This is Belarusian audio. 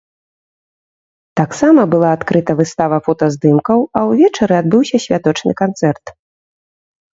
Таксама была адкрыта выстава фотаздымкаў, а ўвечары адбыўся святочны канцэрт.